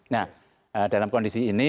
nah dalam kondisi ini